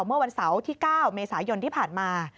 เมื่อวันเสาร์ที่๙เมษายนที่ผ่านมา